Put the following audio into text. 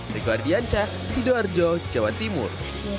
deku ardianca sido arjo jawa timur